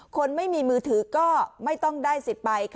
คนไม่มีมือถือก็ไม่ต้องได้สิทธิ์ไป